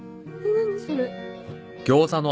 何それ？